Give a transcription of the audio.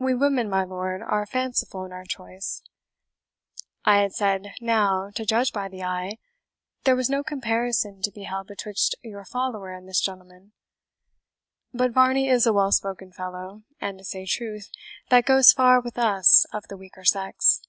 We women, my lord, are fanciful in our choice I had said now, to judge by the eye, there was no comparison to be held betwixt your follower and this gentleman. But Varney is a well spoken fellow, and, to say truth, that goes far with us of the weaker sex.